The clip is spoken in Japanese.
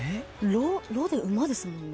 「ろ」で馬ですもんね。